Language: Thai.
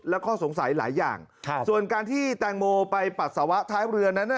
และข้อสงสัยหลายอย่างส่วนการที่แตงโมไปปัสสาวะท้ายเรือนั้น